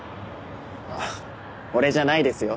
あっ俺じゃないですよ。